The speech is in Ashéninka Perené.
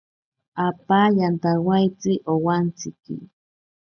Apa yantawaitsi owantsiki.